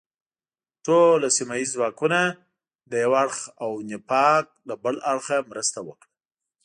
ټول سیمه ییز ځواکونه له یو اړخه او نفاق له بل اړخه مرسته وکړه.